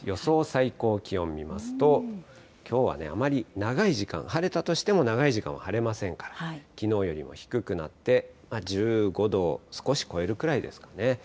最高気温見ますと、きょうはあまり長い時間、晴れたとしても、長い時間は晴れませんから、きのうよりも低くなって、１５度を少し超えるくらいですかね。